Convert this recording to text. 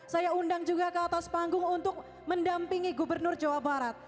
saya undang juga ke atas panggung untuk mendampingi gubernur jawa barat